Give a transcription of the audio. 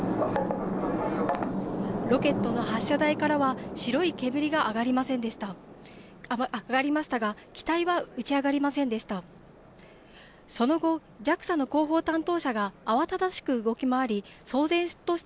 ロケットの発射台からは白い煙が上りましたが機体は打ち上がりませんでした。